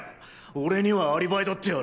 俺にはアリバイだってある。